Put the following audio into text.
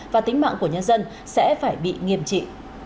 và tính mạng của nhân dân sẽ phải bị nghiêm trị